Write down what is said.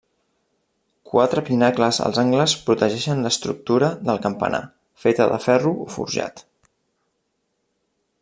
Quatre pinacles als angles protegeixen l'estructura del campanar, feta de ferro forjat.